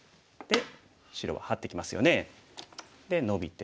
白はハッてきますよねでノビて。